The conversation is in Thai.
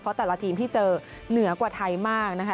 เพราะแต่ละทีมที่เจอเหนือกว่าไทยมากนะคะ